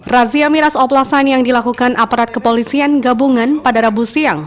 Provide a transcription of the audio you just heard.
razia miras oplasan yang dilakukan aparat kepolisian gabungan pada rabu siang